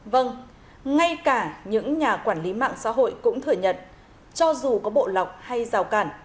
vâng ngay cả những nhà quản lý mạng xã hội cũng thừa nhận cho dù có bộ lọc hay rào cản